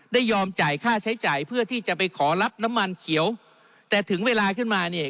ยอมจ่ายค่าใช้จ่ายเพื่อที่จะไปขอรับน้ำมันเขียวแต่ถึงเวลาขึ้นมาเนี่ย